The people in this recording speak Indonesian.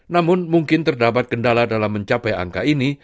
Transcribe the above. namun mungkin terdapat kendala dalam mencapai angka ini